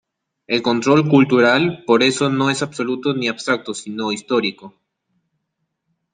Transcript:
El control cultural, por eso, no es absoluto ni abstracto, sino histórico.